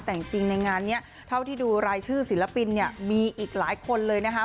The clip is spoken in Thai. แต่จริงในงานนี้เท่าที่ดูรายชื่อศิลปินเนี่ยมีอีกหลายคนเลยนะคะ